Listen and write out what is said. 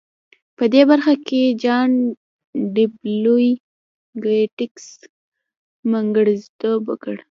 په دې برخه کې جان ډبلیو ګیټس منځګړیتوب وکړ